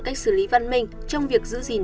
cách xử lý văn minh trong việc giữ gìn